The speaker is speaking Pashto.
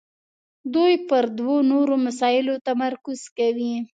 دوی پر دوو نورو مسایلو تمرکز کوي.